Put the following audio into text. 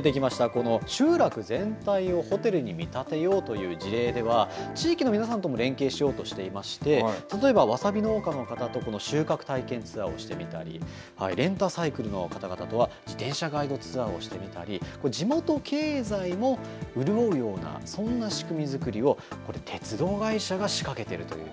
この集落全体をホテルに見立てようという事例では地域の皆さんとも連携しようとしていまして例えば、わさび農家の方とこの収穫体験ツアーをしてみたりレンタサイクルの方々とは自転車ガイドツアーをしてみたり地元経済も潤うようなそんな仕組みづくりをこれ、鉄道会社が仕掛けてるという。